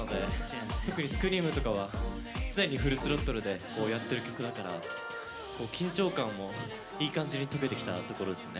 特に「Ｓｃｒｅａｍ」とかは常にフルスロットルでやってる曲だから緊張感もいい感じに解けてきたところですね。